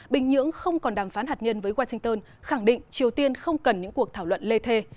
bình nhưỡng không còn đàm phán hạt nhân với washington khẳng định triều tiên không cần những cuộc thảo luận lê thê